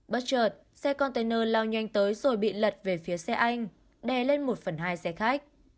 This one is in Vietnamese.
bất chợt xe container lao nhanh tới rồi bị lật về phía xe anh đè lên một phần hai xe khách